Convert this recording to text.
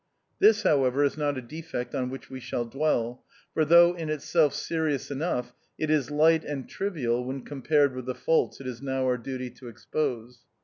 This, however, is not THE OUTCAST. 41 a defect on which we shall dwell, for though in itself serious enough, it is light and trivial when compared with the faults it is now our duty to expose.